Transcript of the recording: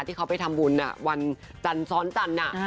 ที่เขาไปทำบุญภาพอ่ะวันจันทร์สอนรจน่ะ